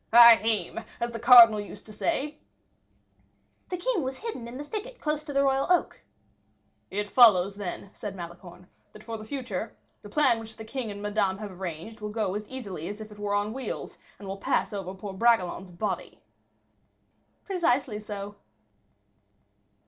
"Ahime! as the cardinal used to say." "The king was hidden in the thicket close to the royal oak." "It follows, then," said Malicorne, "that for the future, the plan which the king and Madame have arranged, will go as easily as if it were on wheels, and will pass over poor Bragelonne's body." "Precisely so."